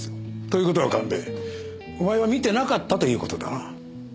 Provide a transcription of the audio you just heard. という事は神戸お前は見てなかったという事だな。